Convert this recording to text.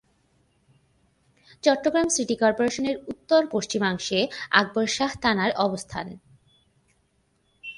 Chittagong city কর্পোরেশনের উত্তর-পশ্চিমাংশে আকবর শাহ থানার অবস্থান।